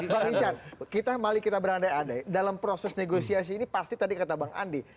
pak rincan kita mali kita berada ada ya dalam proses negosiasi ini pasti tadi kata bang andi